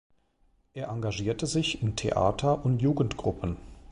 Er engagierte sich in Theater- und Jugendgruppen.